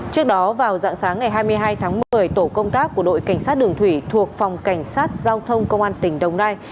trước đó vào dạng sáng ngày hai mươi hai tháng một mươi tổ công tác của đội cảnh sát đường thủy thuộc phòng cảnh sát giao thông công an tỉnh đồng nai